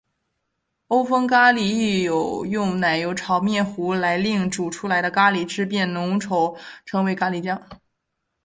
欧风咖哩亦有用奶油炒面糊来令煮出来的咖喱汁变稠成为咖喱酱。